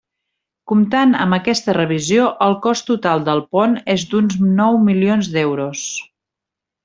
Comptant amb aquesta revisió el cost total del pont és d'uns nou milions d'euros.